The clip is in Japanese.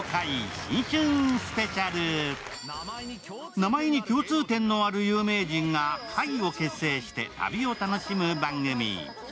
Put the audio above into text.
名前に共通点のある有名人が会を結成して旅を楽しむ番組。